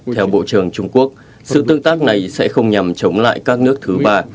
theo bộ trưởng trung quốc sự tương tác này sẽ không nhằm chống lại các nước thứ ba